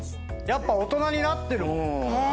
やっぱ大人になってるもん。